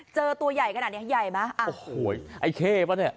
เจอตัวใหญ่ขนาดเนี้ยใหญ่ไหมอ่ะโอ้โหไอ้เข้ป่ะเนี่ย